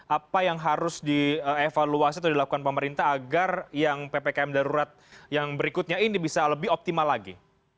apa yang harus dievaluasi atau dilakukan pemerintah agar yang ppkm darurat yang berikutnya ini bisa lebih optimal lagi